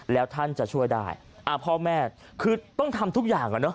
แล้วท่านจะช่วยได้พ่อแม่คือต้องทำทุกอย่างอ่ะเนอ